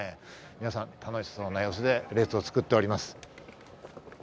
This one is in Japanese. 皆さん、楽しそうな様子で列を作っております。